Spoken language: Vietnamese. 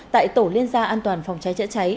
tại tổ liên gia an toàn phòng cháy chữa cháy